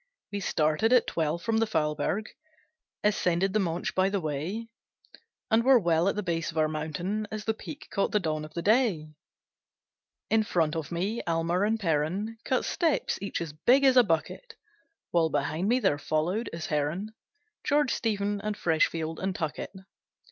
We started at twelve from the Faulberg; Ascended the Monch by the way; And were well at the base of our mountain, As the peak caught the dawn of the day. In front of me Almer and Perren Cut steps, each as big as a bucket; While behind me there followed, as Herren, George, Stephen, and Freshfield, and Tuckett.